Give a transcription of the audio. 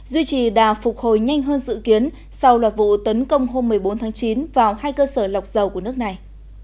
duy trì đà phục hồi nhanh hơn dự kiến sau loạt vụ tấn công hôm một mươi bốn tháng chín vào hai cơ sở lọc dầu của nước này